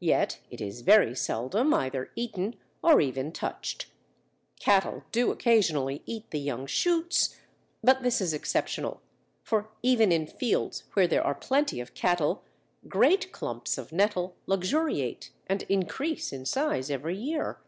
Yet it is very seldom either eaten or even touched. Cattle do occasionally eat the young shoots. But this is exceptional, for even in fields where there are plenty of cattle great clumps of nettle luxuriate and increase in size every year.